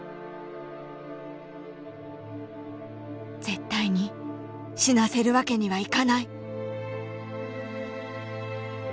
絶対に死なせるわけにはいかない！